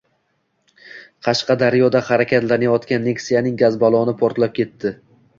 Qashqadaryoda harakatlanayotgan Nexia’ning gaz balloni portlab ketdi